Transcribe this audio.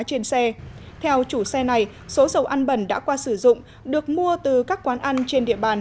trên xe theo chủ xe này số dầu ăn bẩn đã qua sử dụng được mua từ các quán ăn trên địa bàn